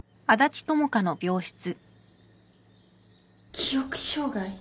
記憶障害？